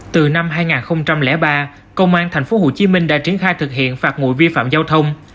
từ năm hai nghìn ba công an tp hcm đã triển khai thực hiện phạt ngụy vi phạm giao thông